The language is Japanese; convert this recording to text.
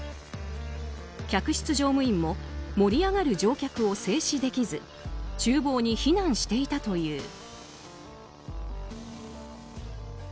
客室乗務員も盛り上がる乗客を制止できず厨房に避難していたという。